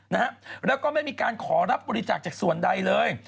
นะฮะแล้วก็ไม่มีการขอรับบริจาคจากส่วนใดเลย